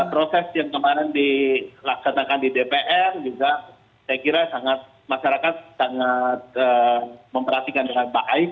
proses yang kemarin dilaksanakan di dpr juga saya kira sangat masyarakat sangat memperhatikan dengan baik